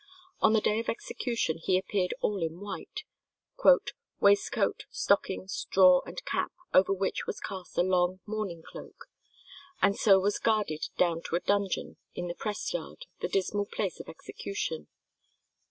On the day of execution he appeared all in white "waistcoat, stockings, drawers, and cap, over which was cast a long mourning cloak," and so was "guarded down to a dungeon in the press yard, the dismal place of execution."